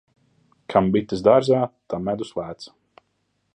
Kam bites dārzā, tam medus lēts.